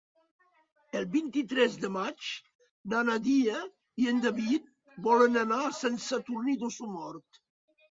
El vint-i-tres de maig na Nàdia i en David volen anar a Sant Sadurní d'Osormort.